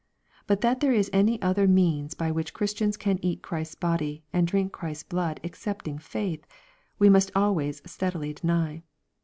But that there is any other means by which Christians can eat Christ's body, and drink Christ's blood ejccepting faith, we must always steadily deny.